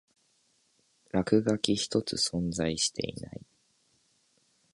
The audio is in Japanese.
落書き一つ存在していない